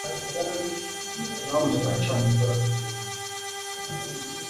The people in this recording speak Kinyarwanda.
Nyamuneka cana itara kugirango ndebe